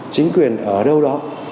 chính quyền ở đâu đó